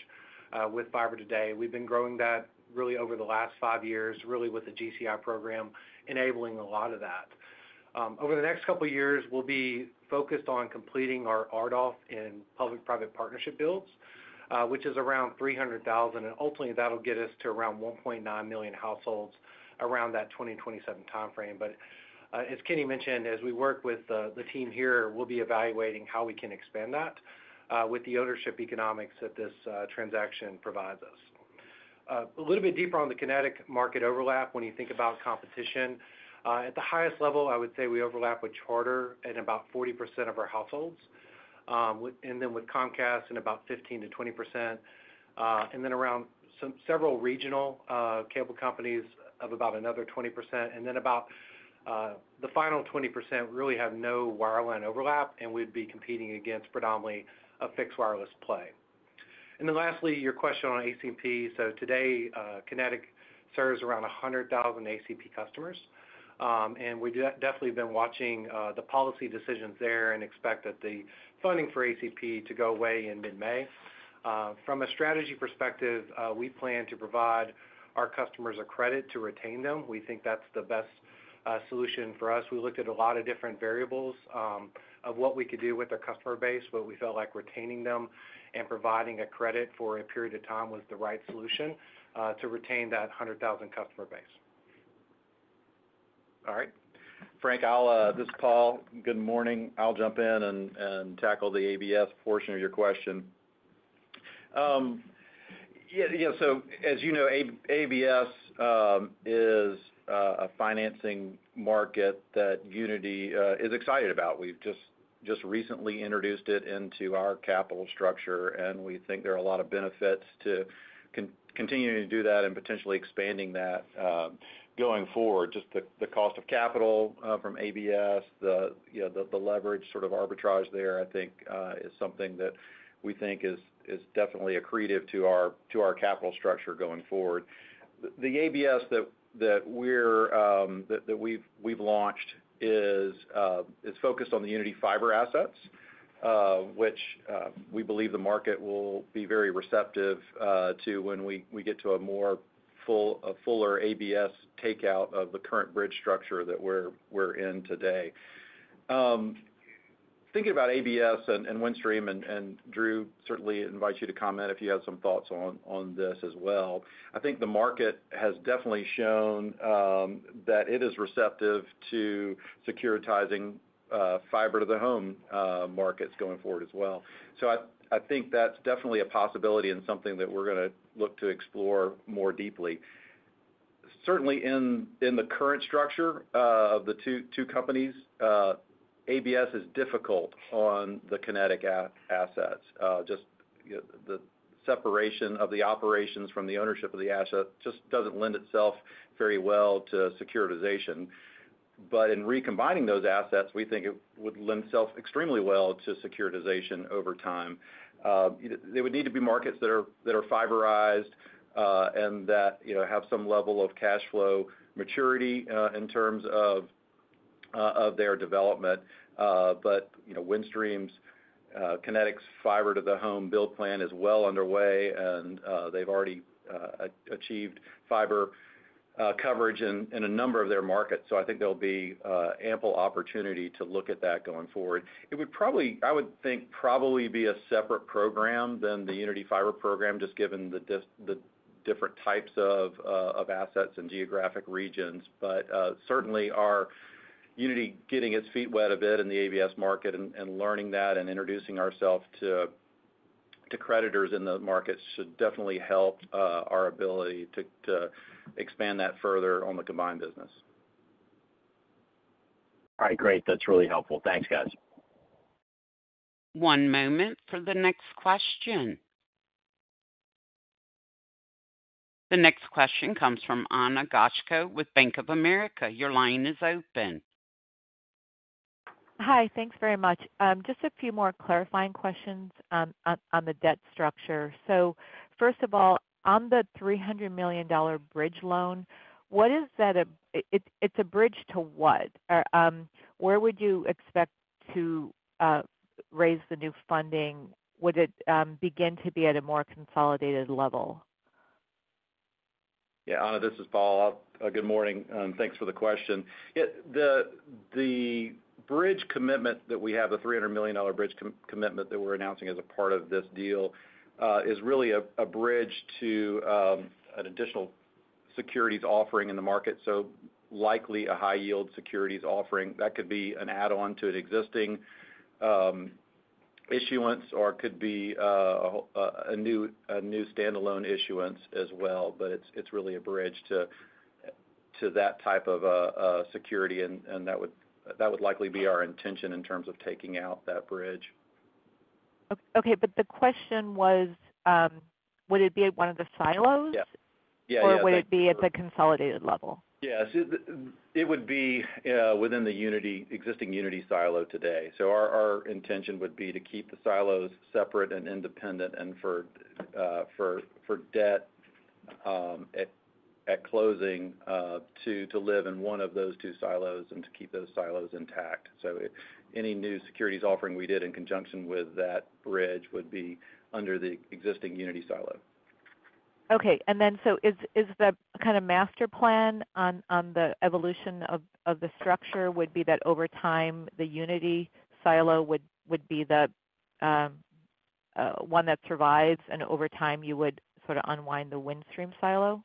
with fiber today. We've been growing that really over the last five years, really with the GCI program, enabling a lot of that. Over the next couple of years, we'll be focused on completing our RDOF in public-private partnership builds, which is around 300,000. And ultimately, that'll get us to around 1.9 million households around that 2027 time frame. But as Kenny mentioned, as we work with the team here, we'll be evaluating how we can expand that with the ownership economics that this transaction provides us. A little bit deeper on the Kinetic market overlap when you think about competition. At the highest level, I would say we overlap with Charter at about 40% of our households, and then with Comcast in about 15%-20%, and then around several regional cable companies of about another 20%, and then about the final 20% really have no wireline overlap, and we'd be competing against predominantly a fixed wireless play. Lastly, your question on ACP. Today, Kinetic serves around 100,000 ACP customers. And we definitely been watching the policy decisions there and expect that the funding for ACP to go away in mid-May. From a strategy perspective, we plan to provide our customers a credit to retain them. We think that's the best solution for us. We looked at a lot of different variables of what we could do with our customer base, but we felt like retaining them and providing a credit for a period of time was the right solution to retain that 100,000 customer base. All right. Frank, I'll, this is Paul. Good morning. I'll jump in and tackle the ABS portion of your question. Yeah, you know, so as you know, ABS is a financing market that Uniti is excited about. We've just recently introduced it into our capital structure, and we think there are a lot of benefits to continuing to do that and potentially expanding that, going forward. Just the cost of capital from ABS, you know, the leverage sort of arbitrage there, I think, is something that we think is definitely accretive to our capital structure going forward. The ABS that we've launched is focused on the Uniti Fiber assets, which we believe the market will be very receptive to when we get to a fuller ABS takeout of the current bridge structure that we're in today. Thinking about ABS and Windstream and Drew, certainly invite you to comment if you have some thoughts on this as well. I think the market has definitely shown that it is receptive to securitizing fiber to the home markets going forward as well. So I think that's definitely a possibility and something that we're gonna look to explore more deeply. Certainly, in the current structure of the two companies, ABS is difficult on the Kinetic assets. Just, you know, the separation of the operations from the ownership of the asset just doesn't lend itself very well to securitization. But in recombining those assets, we think it would lend itself extremely well to securitization over time. They would need to be markets that are, that are fiberized, and that, you know, have some level of cash flow maturity, in terms of, of their development. But, you know, Windstream's, Kinetic's fiber to the home build plan is well underway, and, they've already achieved fiber coverage in a number of their markets. So I think there'll be ample opportunity to look at that going forward. It would probably, I would think, probably be a separate program than the Uniti Fiber program, just given the different types of assets and geographic regions. But, certainly our Uniti getting its feet wet a bit in the ABS market and, and learning that and introducing ourselves to, to creditors in those markets should definitely help our ability to, to expand that further on the combined business. All right, great. That's really helpful. Thanks, guys. One moment for the next question. The next question comes from Ana Goshko with Bank of America. Your line is open. Hi, thanks very much. Just a few more clarifying questions, on, on the debt structure. So first of all, on the $300 million bridge loan, what is that a... It, it's a bridge to what? Or, where would you expect to, raise the new funding? Would it, begin to be at a more consolidated level? Yeah, Ana, this is Paul. Good morning, and thanks for the question. Yeah, the bridge commitment that we have, the $300 million bridge commitment that we're announcing as a part of this deal, is really a bridge to an additional securities offering in the market, so likely a high yield securities offering. That could be an add-on to an existing issuance, or it could be a new standalone issuance as well. But it's really a bridge to that type of security, and that would likely be our intention in terms of taking out that bridge. Okay, but the question was, would it be at one of the silos? Yeah. Yeah, yeah. Or would it be at the consolidated level? Yes, it would be within the Uniti, existing Uniti silo today. So our intention would be to keep the silos separate and independent and for debt at closing to live in one of those two silos and to keep those silos intact. So any new securities offering we did in conjunction with that bridge would be under the existing Uniti silo. Okay, and then so is the kind of master plan on the evolution of the structure would be that over time, the Uniti silo would be the one that survives, and over time, you would sort of unwind the Windstream silo?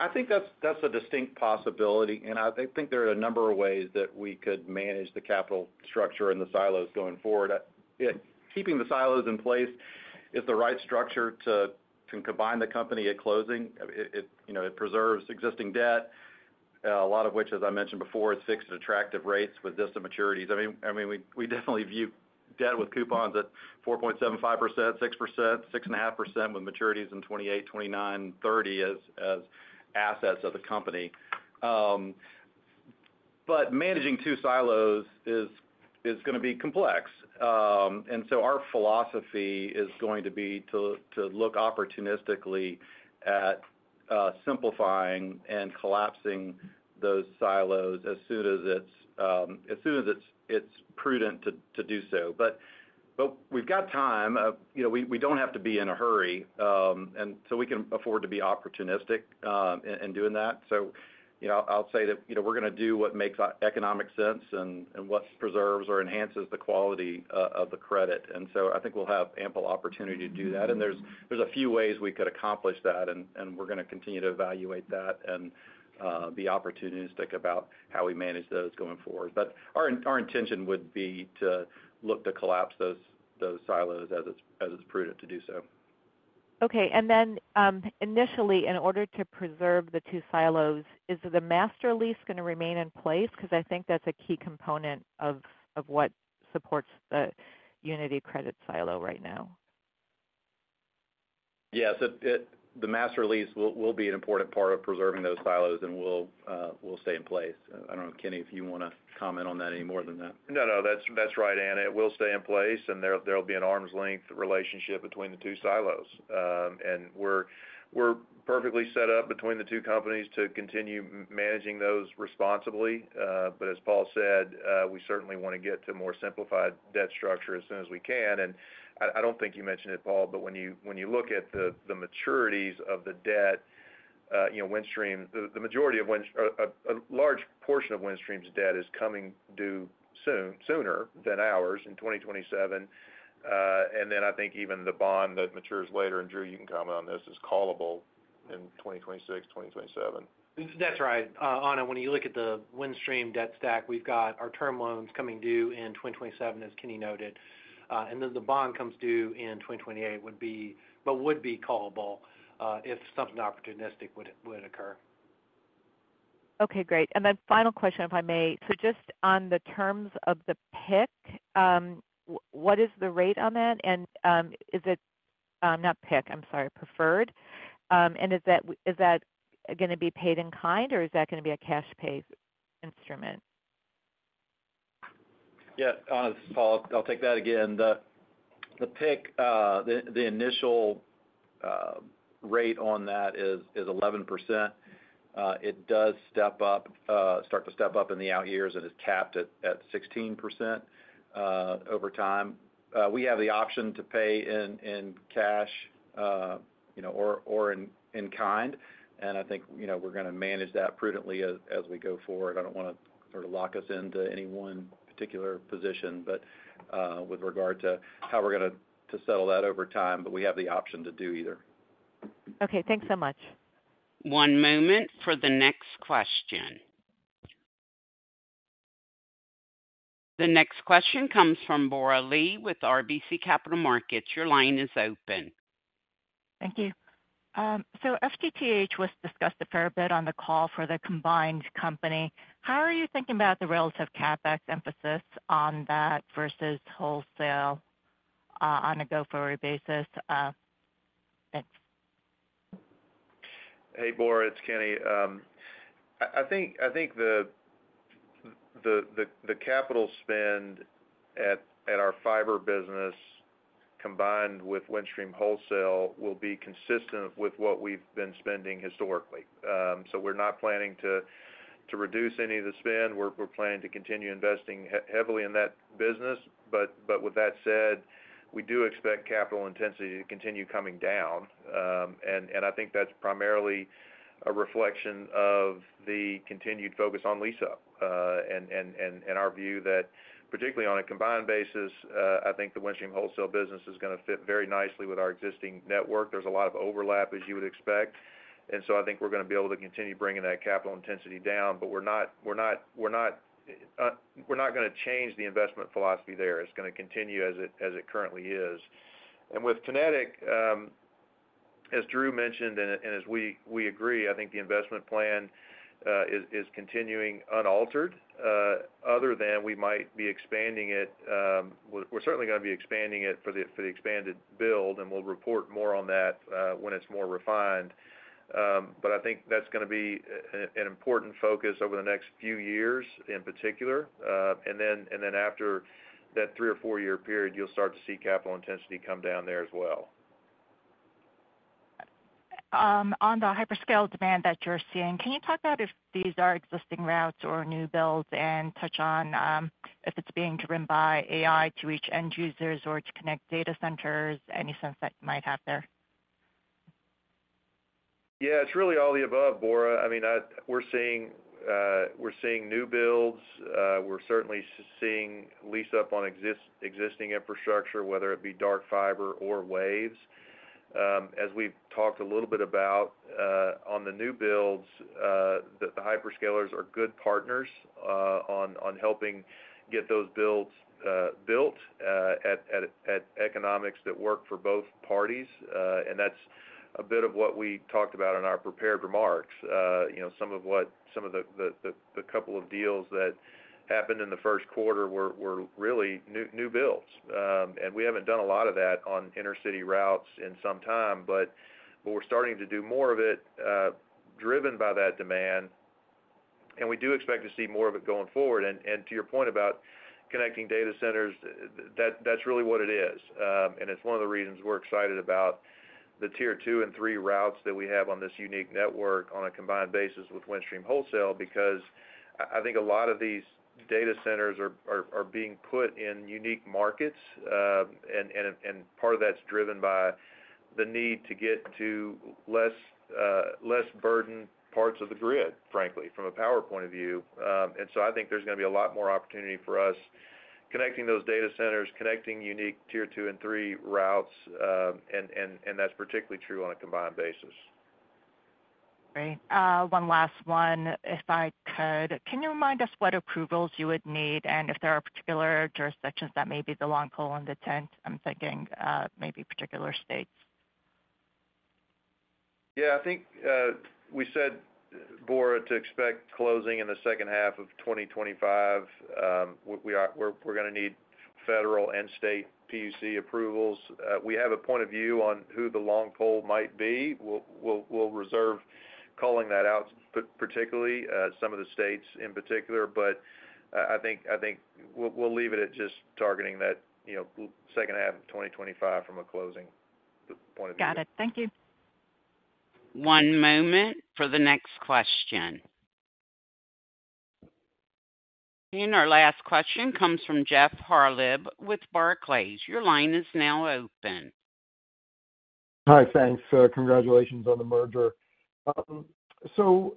I think that's a distinct possibility, and I think there are a number of ways that we could manage the capital structure and the silos going forward. Keeping the silos in place is the right structure to combine the company at closing. It, you know, it preserves existing debt, a lot of which, as I mentioned before, is fixed at attractive rates with distant maturities. I mean, we definitely view debt with coupons at 4.75%, 6%, 6.5%, with maturities in 2028, 2029, 2030 as assets of the company. But managing two silos is gonna be complex. And so our philosophy is going to be to look opportunistically at simplifying and collapsing those silos as soon as it's prudent to do so. But we've got time. You know, we don't have to be in a hurry, and so we can afford to be opportunistic in doing that. So, you know, I'll say that, you know, we're gonna do what makes economic sense and what preserves or enhances the quality of the credit. And so I think we'll have ample opportunity to do that. And there's a few ways we could accomplish that, and we're gonna continue to evaluate that and be opportunistic about how we manage those going forward. But our intention would be to look to collapse those silos as it's prudent to do so. Okay. And then, initially, in order to preserve the two silos, is the master lease gonna remain in place? Because I think that's a key component of, of what supports the Uniti credit silo right now. Yes, it... The master lease will be an important part of preserving those silos and will stay in place. I don't know, Kenny, if you want to comment on that any more than that. No, no, that's right, Ana. It will stay in place, and there'll be an arm's length relationship between the two silos. And we're perfectly set up between the two companies to continue managing those responsibly. But as Paul said, we certainly want to get to more simplified debt structure as soon as we can. And I don't think you mentioned it, Paul, but when you look at the maturities of the debt, you know, Windstream, a large portion of Windstream's debt is coming due sooner than ours, in 2027. And then I think even the bond that matures later, and Drew, you can comment on this, is callable in 2026, 2027. That's right. Ana, when you look at the Windstream debt stack, we've got our term loans coming due in 2027, as Kenny noted. And then the bond comes due in 2028, but would be callable if something opportunistic would occur. Okay, great. And then final question, if I may. So just on the terms of the PIK, what is the rate on that? And, is it not PIK, I'm sorry, preferred. And is that gonna be paid in kind, or is that gonna be a cash pay instrument? Yeah, Ana, this is Paul. I'll take that again. The PIK, the initial rate on that is 11%. It does step up, start to step up in the out years, and it's capped at 16% over time. We have the option to pay in cash, you know, or in kind, and I think, you know, we're gonna manage that prudently as we go forward. I don't want to sort of lock us into any one particular position, but with regard to how we're gonna to settle that over time, but we have the option to do either. Okay, thanks so much. One moment for the next question. The next question comes from Bora Lee with RBC Capital Markets. Your line is open. Thank you. So FTTH was discussed a fair bit on the call for the combined company. How are you thinking about the relative CapEx emphasis on that versus wholesale, on a go-forward basis? Thanks. Hey, Bora, it's Kenny. I think the capital spend at our fiber business, combined with Windstream Wholesale, will be consistent with what we've been spending historically. So we're not planning to reduce any of the spend. We're planning to continue investing heavily in that business. But with that said, we do expect capital intensity to continue coming down. And I think that's primarily a reflection of the continued focus on leasing. And our view that, particularly on a combined basis, I think the Windstream Wholesale business is gonna fit very nicely with our existing network. There's a lot of overlap, as you would expect, and so I think we're gonna be able to continue bringing that capital intensity down. But we're not gonna change the investment philosophy there. It's gonna continue as it currently is. And with Kinetic, as Drew mentioned, and as we agree, I think the investment plan is continuing unaltered, other than we might be expanding it. We're certainly gonna be expanding it for the expanded build, and we'll report more on that when it's more refined. But I think that's gonna be an important focus over the next few years, in particular. And then after that three or four-year period, you'll start to see capital intensity come down there as well. On the hyperscale demand that you're seeing, can you talk about if these are existing routes or new builds, and touch on, if it's being driven by AI to reach end users or to connect data centers? Any sense that you might have there? ... Yeah, it's really all the above, Bora. I mean, we're seeing, we're seeing new builds, we're certainly seeing lease up on existing infrastructure, whether it be dark fiber or waves. As we've talked a little bit about, on the new builds, the hyperscalers are good partners, on helping get those builds built, at economics that work for both parties. And that's a bit of what we talked about in our prepared remarks. You know, some of the couple of deals that happened in the Q1 were really new builds. And we haven't done a lot of that on inter-city routes in some time, but we're starting to do more of it, driven by that demand, and we do expect to see more of it going forward. And to your point about connecting data centers, that's really what it is. And it's one of the reasons we're excited about the Tier Two and Three routes that we have on this unique network on a combined basis with Windstream Wholesale, because I think a lot of these data centers are being put in unique markets, and part of that's driven by the need to get to less burdened parts of the grid, frankly, from a power point of view. And so I think there's gonna be a lot more opportunity for us connecting those data centers, connecting unique Tier Two and Three routes, and that's particularly true on a combined basis. Great. One last one, if I could. Can you remind us what approvals you would need and if there are particular jurisdictions that may be the long pole in the tent? I'm thinking, maybe particular states. Yeah, I think we said, Bora, to expect closing in the H2 of 2025. We're gonna need federal and state PUC approvals. We have a point of view on who the long pole might be. We'll reserve calling that out, but particularly some of the states in particular. But I think we'll leave it at just targeting that, you know, H2 of 2025 from a closing point of view. Got it. Thank you. One moment for the next question. Our last question comes from Jeff Harlib with Barclays. Your line is now open. Hi, thanks. Congratulations on the merger. So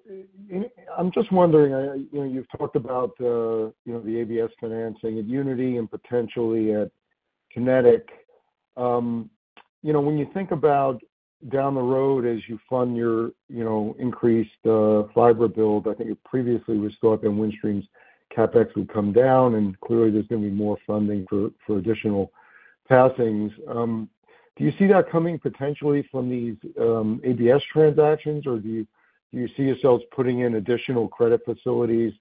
I'm just wondering, you know, you've talked about, you know, the ABS financing at Uniti and potentially at Kinetic. You know, when you think about down the road as you fund your, you know, increased fiber build, I think it previously was thought that Windstream's CapEx would come down, and clearly there's gonna be more funding for additional passings. Do you see that coming potentially from these ABS transactions, or do you see yourselves putting in additional credit facilities,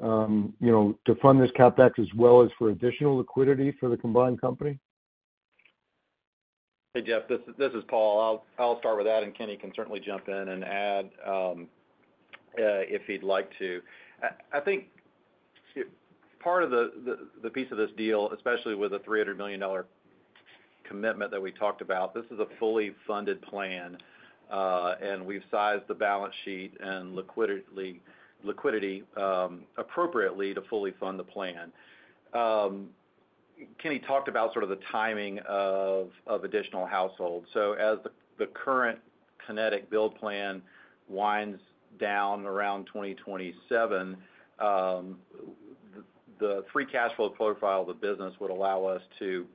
you know, to fund this CapEx as well as for additional liquidity for the combined company? Hey, Jeff, this is Paul. I'll start with that, and Kenny can certainly jump in and add if he'd like to. I think part of the piece of this deal, especially with the $300 million commitment that we talked about, this is a fully funded plan, and we've sized the balance sheet and liquidity appropriately to fully fund the plan. Kenny talked about sort of the timing of additional households. So as the current Kinetic build plan winds down around 2027, the free cash flow profile of the business would allow us to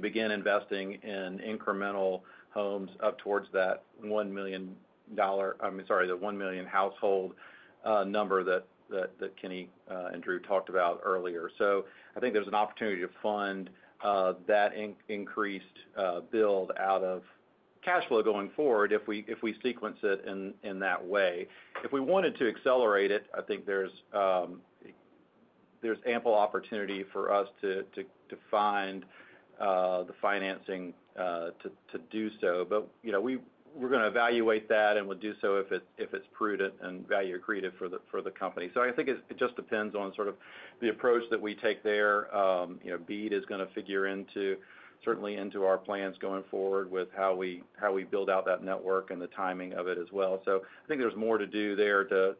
begin investing in incremental homes up towards that one million dollar, I mean, sorry, the 1 million household number that Kenny and Drew talked about earlier. So I think there's an opportunity to fund that increased build out of cash flow going forward, if we sequence it in that way. If we wanted to accelerate it, I think there's ample opportunity for us to find the financing to do so. But, you know, we're gonna evaluate that and we'll do so if it's prudent and value accretive for the company. So I think it just depends on sort of the approach that we take there. You know, BEAD is gonna figure into certainly into our plans going forward with how we build out that network and the timing of it as well. So I think there's more to do there to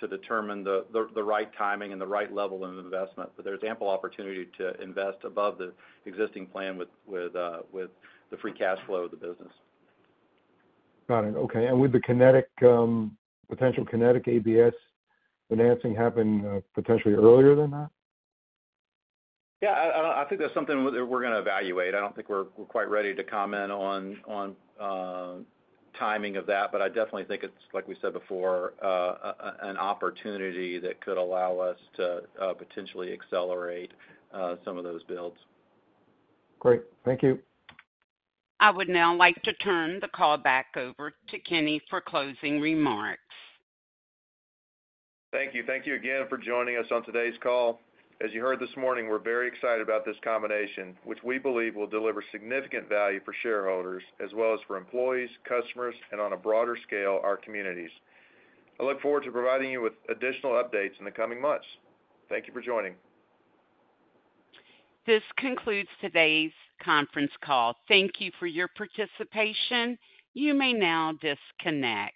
determine the right timing and the right level of investment, but there's ample opportunity to invest above the existing plan with the free cash flow of the business. Got it. Okay. And would the Kinetic potential Kinetic ABS financing happen potentially earlier than that? Yeah, I think that's something we're gonna evaluate. I don't think we're quite ready to comment on timing of that, but I definitely think it's, like we said before, an opportunity that could allow us to potentially accelerate some of those builds. Great. Thank you. I would now like to turn the call back over to Kenny for closing remarks. Thank you. Thank you again for joining us on today's call. As you heard this morning, we're very excited about this combination, which we believe will deliver significant value for shareholders, as well as for employees, customers, and on a broader scale, our communities. I look forward to providing you with additional updates in the coming months. Thank you for joining. This concludes today's conference call. Thank you for your participation. You may now disconnect.